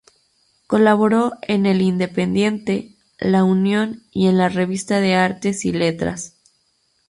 Colaboró en "El Independiente", "La Unión" y en la "Revista de Artes y Letras".